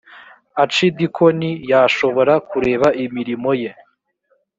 acidikoni yashobora kureka imirimo ye